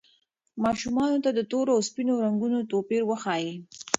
ماشومانو ته د تورو او سپینو رنګونو توپیر وښایئ.